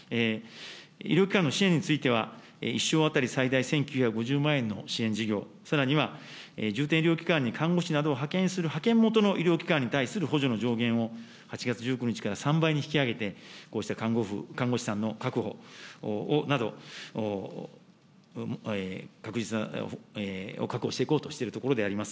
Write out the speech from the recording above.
医療機関の支援については、１床当たり最大１９５０万円の支援事業、さらには重点医療機関に看護師などを派遣する派遣元の医療機関に対する補助の上限を、８月１９日から３倍に引き上げて、こうした看護師さんの確保など、確実に確保していこうとしているところであります。